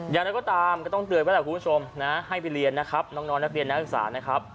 อย่างไรก็ตามก็ต้องเตือนไว้แหละคุณผู้ชมนะให้ไปเรียนนะครับน้องนักเรียนนักศึกษานะครับ